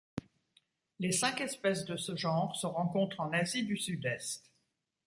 Les cinq espèces de ce genre se rencontrent en Asie du Sud-Est.